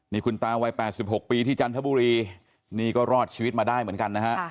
นี่คุณตาวัย๘๖ปีที่จันทบุรีนี่ก็รอดชีวิตมาได้เหมือนกันนะฮะ